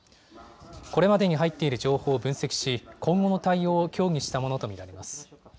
これまでに入っている情報を分析し、今後の対応を協議したものと見られます。